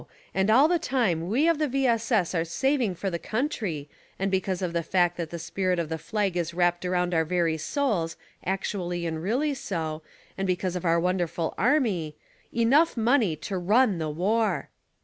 And all the time we of the V. S. S. are saving for the country, and because of the fact that the spirit of the flag is wrapped around our very souls, actually and really so, and because of our wonderful army — enough money to run the — WAR.